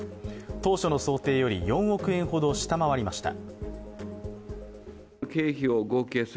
当初の想定より４億円ほど下回りました。